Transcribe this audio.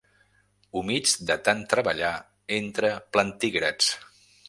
Humits de tant treballar entre plantígrads.